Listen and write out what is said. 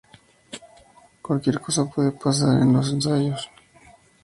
Cualquier cosa puede pasar en los ensayos.